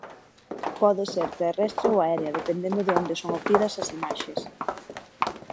Pode ser terrestre ou aérea dependendo dende onde son obtidas as imaxes.